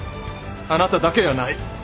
あなただけやない！